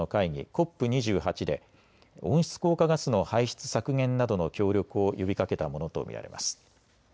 ＣＯＰ２８で温室効果ガスの排出削減などの協力を呼びかけたものと見られます。